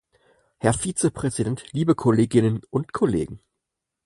Herr Vizepräsident, liebe Kolleginnen und Kollegen!